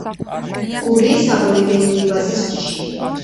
გურიის აბორიგენული ვაზის ჯიში.